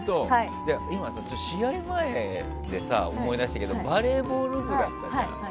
今、試合前で思い出したけどバレーボール部だったじゃん。